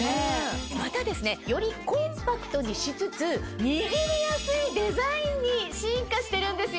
またよりコンパクトにしつつ握りやすいデザインに進化してるんですよ。